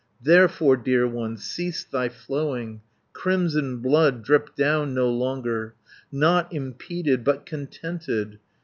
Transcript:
"Therefore, dear one, cease thy flowing, Crimson Blood, drip down no longer, Not impeded, but contented.